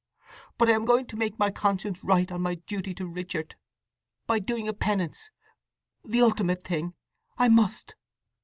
But I am going to make my conscience right on my duty to Richard—by doing a penance—the ultimate thing. I must!"